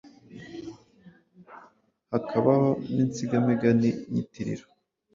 hakabaho n’insigamigani nyitiriro